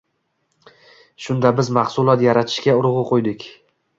Shunda biz mahsulot yaratishga urgʻu qoʻydik.